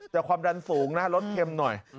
แต่ความดันสูงนะลดเข็มหน่อย